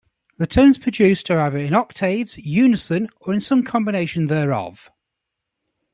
The tones produced are either in octaves, unison, or in some combination thereof.